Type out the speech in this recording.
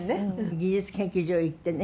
技術研究所へ行ってね